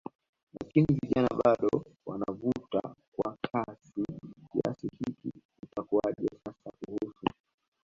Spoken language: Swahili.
lakini vijana bado wanavuta kwa kasi kiasi hiki itakuaje sasa kuhusu